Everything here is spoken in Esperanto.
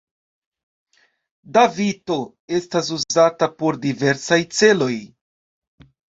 Davito estas uzata por diversaj celoj.